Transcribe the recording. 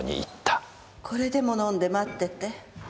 これでも飲んで待ってて。